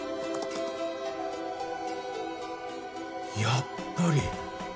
やっぱり。